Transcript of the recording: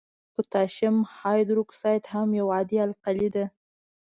پوتاشیم هایدروکساید هم یو عادي القلي ده.